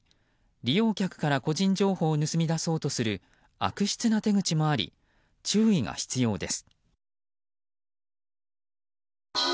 利用客から個人情報を盗み出そうとする悪質な手口もあり注意が必要です。